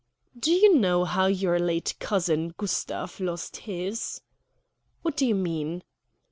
"Do you know how your late cousin, Gustav, lost his?" "What do you mean?"